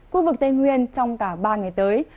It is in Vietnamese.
khu vực tây nguyên trong cả ba ngày tới